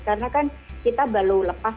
karena kan kita baru lepas